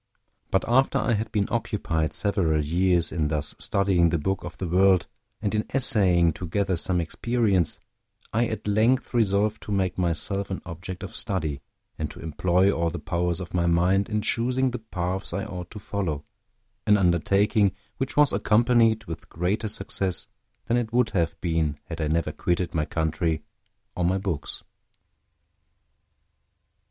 But after I had been occupied several years in thus studying the book of the world, and in essaying to gather some experience, I at length resolved to make myself an object of study, and to employ all the powers of my mind in choosing the paths I ought to follow, an undertaking which was accompanied with greater success than it would have been had I never quitted my country or my books.